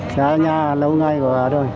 đã ở nhà lâu ngày quá rồi